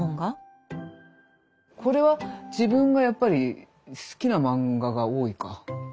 これは自分がやっぱり好きな漫画が多いか。